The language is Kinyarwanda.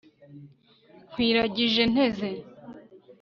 nkwiragije, nteze